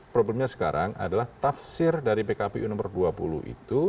problemnya sekarang adalah tafsir dari pkpu nomor dua puluh itu